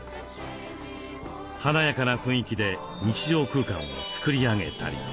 華やかな雰囲気で日常空間を作り上げたり。